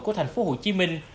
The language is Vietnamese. của thành phố hồ chí minh